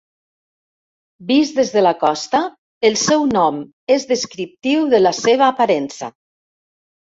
Vist des de la costa el seu nom és descriptiu de la seva aparença.